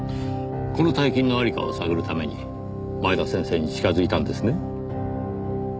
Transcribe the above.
この大金の在りかを探るために前田先生に近づいたんですね？